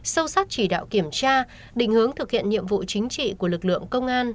sâu sát chỉ đạo kiểm tra định hướng thực hiện nhiệm vụ chính trị của lực lượng công an